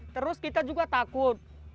terus kita juga takut